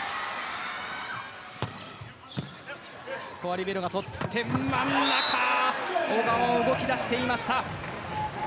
リベロが取って真ん中小川、動き出していました。